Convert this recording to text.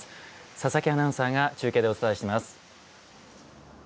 佐々木アナウンサーが中継でお伝えします。